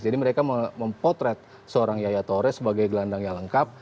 jadi mereka mempotret seorang yaya torre sebagai gelandang yang lengkap